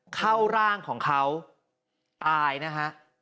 เข้าร่างของเขาตายนะฮะ